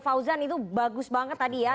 fauzan itu bagus banget tadi ya